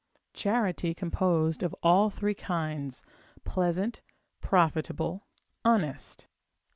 Charity composed of all three Kinds, Pleasant, Profitable, Honest.